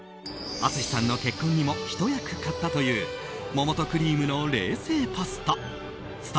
淳さんの結婚にもひと役買ったという桃とクリームの冷製パスタ。